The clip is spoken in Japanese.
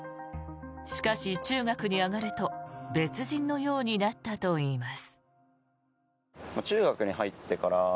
しかし、中学に上がると別人のようになったといいます。